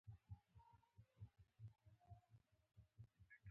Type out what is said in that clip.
یو څوک یې یوازې د سیاسي حاکمیت په اساس نفي کوي.